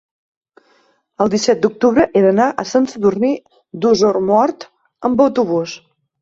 el disset d'octubre he d'anar a Sant Sadurní d'Osormort amb autobús.